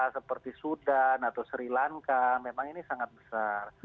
seperti sudan atau sri lanka memang ini sangat besar